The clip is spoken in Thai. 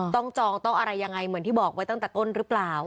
จองต้องอะไรยังไงเหมือนที่บอกไว้ตั้งแต่ต้นหรือเปล่า